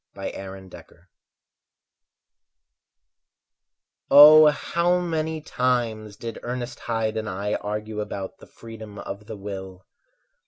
Roger Heston Oh many times did Ernest Hyde and I Argue about the freedom of the will.